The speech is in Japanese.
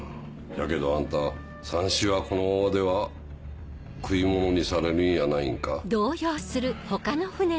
じゃけどあんたさんしはこのままでは食い物にされるんやないんか。